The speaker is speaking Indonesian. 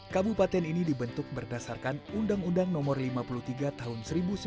kabupaten ini dibentuk berdasarkan undang undang no lima puluh tiga tahun seribu sembilan ratus sembilan puluh